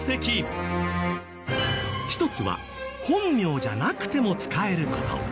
１つは本名じゃなくても使える事。